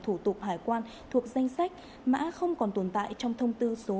thủ tục hải quan thuộc danh sách mã không còn tồn tại trong thông tư số ba mươi một hai nghìn hai mươi hai